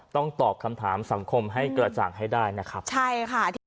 ต้องตอบคำถามสังคมให้กระจ่างให้ได้นะครับใช่ค่ะที่